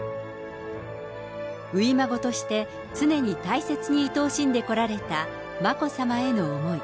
初孫として常に大切に愛おしんでこられた眞子さまへの思い。